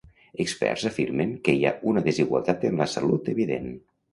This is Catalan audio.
Experts afirmen que hi ha una desigualtat en la salut evident.